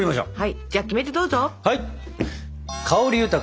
はい！